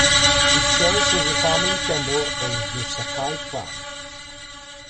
It served as the family temple of the Sakai clan.